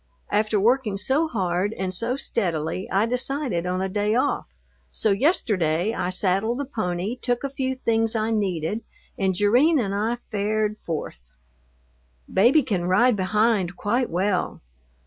After working so hard and so steadily I decided on a day off, so yesterday I saddled the pony, took a few things I needed, and Jerrine and I fared forth. Baby can ride behind quite well.